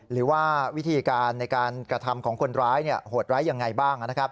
หรือว่าวิธีการในการกระทำของคนร้ายโหดร้ายยังไงบ้างนะครับ